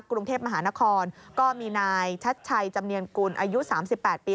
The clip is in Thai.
กรุงเทพมหานครก็มีนายชัดชัยจำเนียนกุลอายุ๓๘ปี